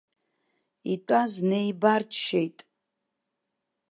Итәаз неибарччеит.